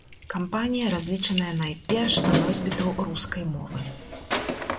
Кампанія разлічаная найперш на носьбітаў рускай мовы.